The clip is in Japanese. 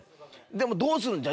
でもどうするんじゃ？